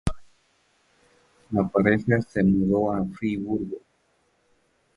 La pareja se mudó a Friburgo.